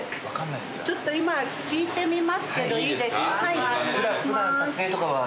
ちょっと今聞いてみますけどいいですか？